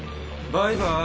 バイバイ。